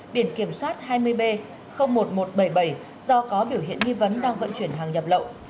biển kiểm soát hai mươi b một nghìn một trăm bảy mươi bảy do có biểu hiện nghi vấn đang vận chuyển hàng nhập lậu